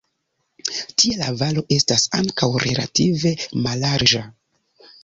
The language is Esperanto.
Tie la valo estas ankaŭ relative mallarĝa.